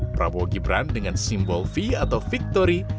prabowo gibran dengan simbol v atau victory